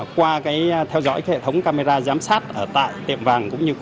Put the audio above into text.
qua theo dõi hệ thống camera giám sát ở tại tiệm vàng